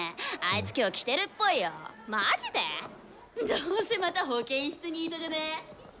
どうせまた保健室ニートじゃね？